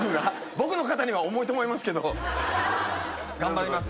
僕の肩には重いと思いますけど頑張ります